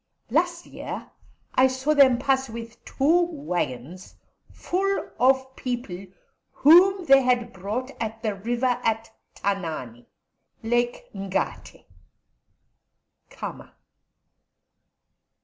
Last year I saw them pass with two waggons full of people whom they had bought at the river at Tanane (Lake Ngate). Khama."